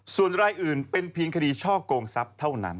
ส่วนรายอื่นเป็นเพียงคดีช่อกงทรัพย์เท่านั้น